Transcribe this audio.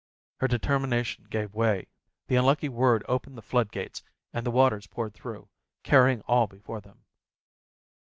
Her deter mination gave way, the unlucky word opened the flood gates, and the waters poured through, carrying all be fore them.